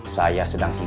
saya sedang sibuk